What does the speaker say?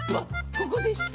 ここでした。